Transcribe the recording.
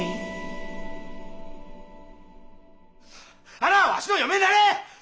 ハナはわしの嫁になれ！